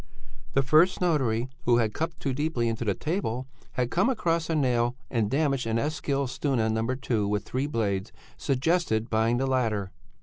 "The first notary, who had cut too deeply into the table, had come across a nail and damaged an Eskilstuna No. 2, with three blades, suggested buying the latter.